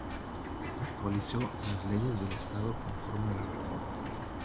Actualizó las leyes del Estado conforme a la Reforma.